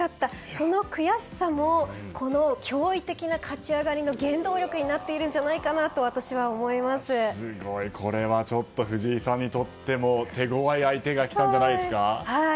その悔しさもこの驚異的な勝ち上がりの原動力になっているんじゃないかなとこれは藤井さんにとっても手ごわい相手が来たんじゃないですか。